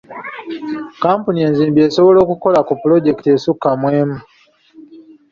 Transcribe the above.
Kampuni enzimbi esobola okukola ku pulojekiti esukka mu emu.